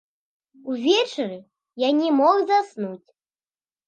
Увечары я не мог заснуць.